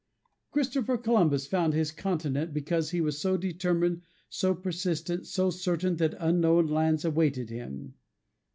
Christopher Columbus found his continent because he was so determined, so persistent, so certain that unknown lands awaited him.